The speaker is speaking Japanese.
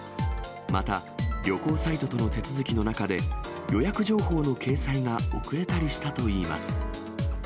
また、旅行サイトとの手続きの中で、予約情報の掲載が遅れたりしたといいます。